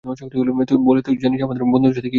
বল যে তুই জানিস আমার বন্ধুদের সাথে কী করেছিলি।